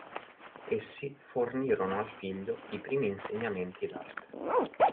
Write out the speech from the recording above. Essi fornirono al figlio i primi insegnamenti d'arte.